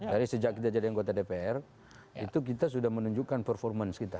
dari sejak kita jadi anggota dpr itu kita sudah menunjukkan performance kita